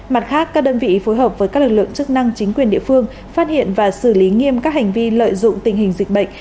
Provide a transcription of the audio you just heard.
mặt khác các đơn vị phối hợp với các lực lượng chức năng chính quyền địa phương phát hiện và xử lý nghiêm các hành vi lợi dụng tình hình dịch bệnh